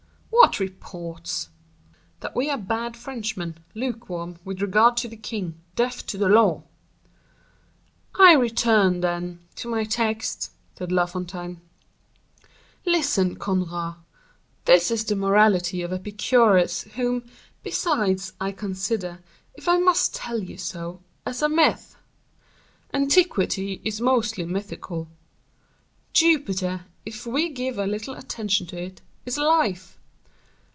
"What reports?" "That we are bad Frenchmen, lukewarm with regard to the king, deaf to the law." "I return, then, to my text," said La Fontaine. "Listen, Conrart, this is the morality of Epicurus, whom, besides, I consider, if I must tell you so, as a myth. Antiquity is mostly mythical. Jupiter, if we give a little attention to it, is life.